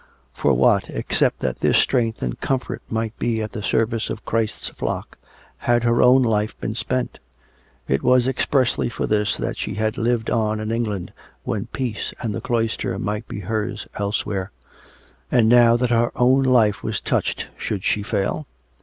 For what, except that this strength and comfort might be at the serv ice of Christ's flock, had her own life been spent? It was expressly for this that she had lived on in England when peace and the cloister might be hers elsewhere; and now that her own life was touched, should she fail?